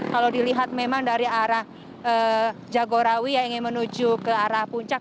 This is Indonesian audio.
kalau dilihat memang dari arah jagorawi yang ingin menuju ke arah puncak